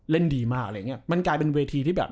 ดีมากอะไรอย่างเงี้ยมันกลายเป็นเวทีที่แบบ